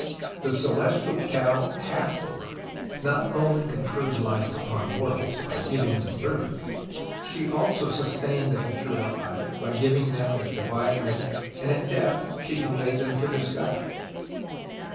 The Celestial Cow Hathor not only conferred life upon mortals by giving them birth : she also sustained them through out life by giving them the divine milk, and at death she conveyed them to the sky.